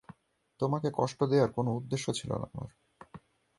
তোমকে কষ্ট দেয়ার কোনো উদ্দেশ্য ছিলো না আমার।